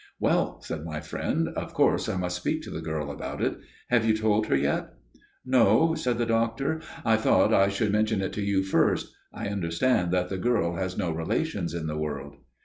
"'Well,' said my friend, 'of course I must speak to the girl about it. Have you told her yet?' "'No,' said the doctor, 'I thought I should mention it to you first. I understand that the girl has no relations in the world.